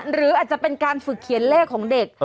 หรืออาจจะเป็นการฝึกเขียนเลขของเด็ก